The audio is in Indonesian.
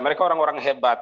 mereka orang orang hebat